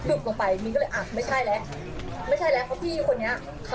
ลงไปมิ้นก็เลยอ่ะไม่ใช่แล้วไม่ใช่แล้วเพราะพี่คนนี้